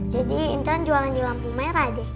jadi intan jualan di lampu merah deh